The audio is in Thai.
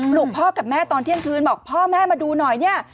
ลูกพ่อกับแม่ตอนเที่ยงคืนบอกพ่อแม่มาดูหน่อยเนี่ย